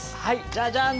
じゃじゃん！